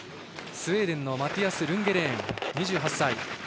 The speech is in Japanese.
スウェーデンのマティアス・ルンゲレーン２８歳。